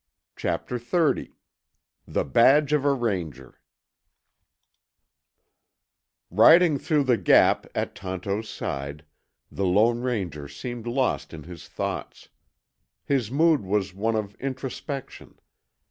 Chapter XXX THE BADGE OF A RANGER Riding through the gap at Tonto's side, the Lone Ranger seemed lost in his thoughts. His mood was one of introspection.